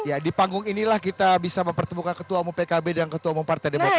ya di panggung inilah kita bisa mempertemukan ketua umum pkb dan ketua umum partai demokrat